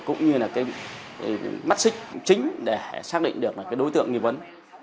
cũng như là cái mắt xích chính để xác định được là cái đối tượng nghi vấn